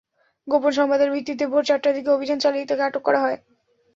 গোপন সংবাদের ভিত্তিতে ভোর চারটার দিকে অভিযান চালিয়ে তাঁকে আটক করা হয়।